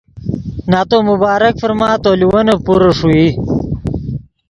نتو مبارک فرما تو لیوینے پورے ݰوئی